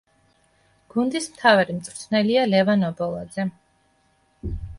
გუნდი მთავარი მწვრთნელია ლევან ობოლაძე.